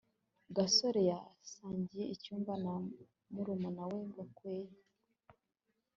gasore yasangiye icyumba na murumuna we gakwego